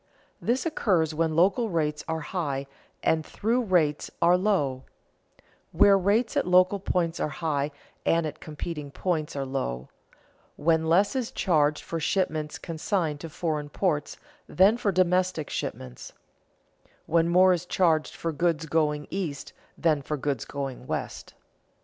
_ This occurs when local rates are high and through rates are low; when rates at local points are high and at competing points are low; when less is charged for shipments consigned to foreign ports than for domestic shipments; when more is charged for goods going east than for goods going west.